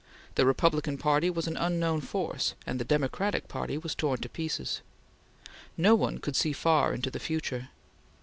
The Republican Party was an unknown force, and the Democratic Party was torn to pieces. No one could see far into the future.